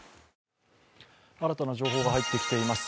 新たな情報が入ってきています。